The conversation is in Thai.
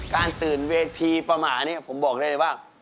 การตื่นเวทีประมาณนี้ผมบอกได้เลยว่า